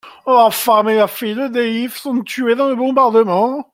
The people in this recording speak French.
La femme et la fille de Deif sont tuées dans le bombardement.